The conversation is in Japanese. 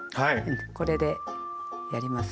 これでやりますね。